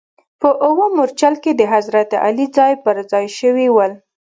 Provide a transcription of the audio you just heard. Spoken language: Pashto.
په اووم مورچل کې د حضرت علي ځاې پر ځا ې شوي ول.